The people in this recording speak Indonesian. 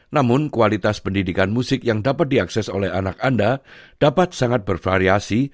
namun kualitas pendidikan musik yang dapat diakses oleh anak anda dapat sangat bervariasi